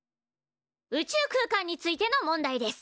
宇宙空間についての問題です。